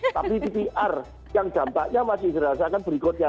tapi di pr yang dampaknya masih dirasakan berikutnya